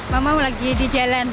mama lagi di jalan